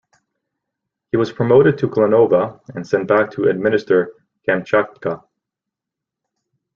He was promoted to Golova and sent back to administer Kamchatka.